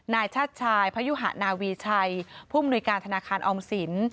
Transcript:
นายชาติชายพยุหะนาวีชัยผู้มนุยการธนาคารออมสิน